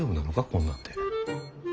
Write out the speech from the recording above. こんなんで。